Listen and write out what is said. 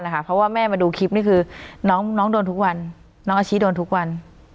เพราะว่าแม่มาดูคลิปนี่คือน้องโดนทุกวันน้องอาชิโดนทุกวัน